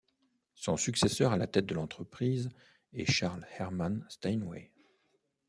Son successeur à la tête de l'entreprise est Charles Herman Steinway.